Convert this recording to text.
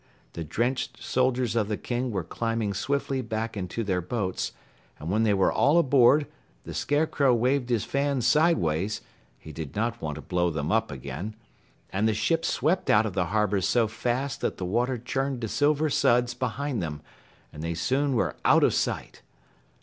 The drenched soldiers of the king were climbing swiftly back into their boats, and when they were all aboard, the Scarecrow waved his fan sidewise (he did not want to blow them up again), and the ships swept out of the harbor so fast that the water churned to silver suds behind them, and they soon were out of sight.